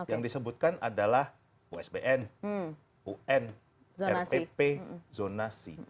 yang disebutkan adalah usbn un rpp zonasi